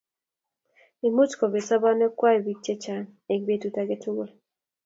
Imuch kobet sobonwek kwai bik chechang eng betut age tugul